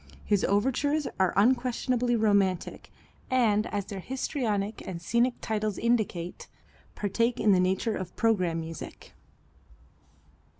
His overtures are unquestionably romantic, and as their histrionic and scenic titles indicate, partake of the nature of programme music.